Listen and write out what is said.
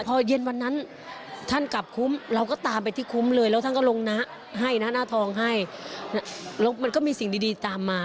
พอเย็นวันนั้นท่านกลับคุ้มเราก็ตามไปที่คุ้มเลยแล้วท่านก็ลงนะให้นะหน้าทองให้แล้วมันก็มีสิ่งดีตามมา